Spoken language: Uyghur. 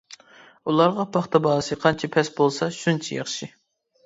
ئۇلارغا پاختا باھاسى قانچە پەس بولسا شۇنچە ياخشى.